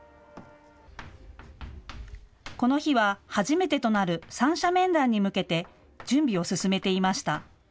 この日は初めてとなる三者面談に向けて準備を進めていました。